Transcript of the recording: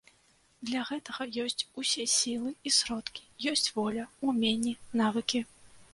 Для гэтага ёсць усе сілы і сродкі, ёсць воля, уменні, навыкі.